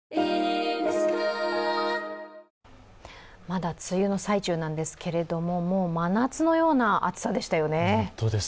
まだ梅雨の最中なんですけれども、もう真夏のような暑さでしたよね。